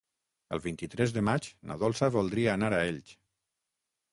El vint-i-tres de maig na Dolça voldria anar a Elx.